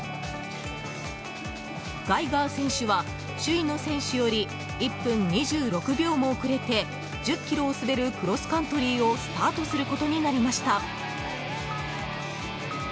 ガイガー選手は、首位の選手より１分２６秒も遅れて１０ｋｍを滑るクロスカントリーをスタートすることになりました。